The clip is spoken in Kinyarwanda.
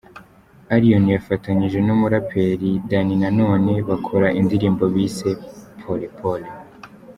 Allioni yifatanyije n'umuraperi Danny Nanone bakora indirimbo bise "Pole Pole".